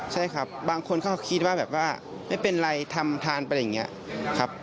ใช่ครับบางคนเขาก็คิดว่าแบบว่าไม่เป็นไรทำทานไปอย่างนี้ครับ